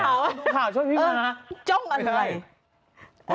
ดุข่าวช่วยพี่มา